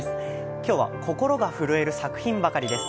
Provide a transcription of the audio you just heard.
今日は心が震える作品ばかりです。